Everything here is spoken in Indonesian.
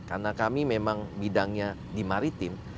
karena kami memang bidangnya di maritim